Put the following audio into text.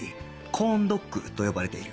コーンドッグと呼ばれている